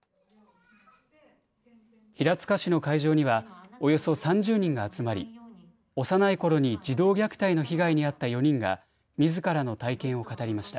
平塚市の会場にはおよそ３０人が集まり幼いころに児童虐待の被害に遭った４人がみずからの体験を語りました。